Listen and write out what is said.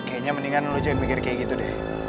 kayaknya mendingan lo jangan mikir kayak gitu deh